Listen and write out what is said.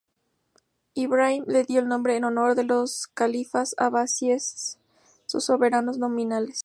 Ibrahim le dio el nombre en honor de los califas abasíes, sus soberanos nominales.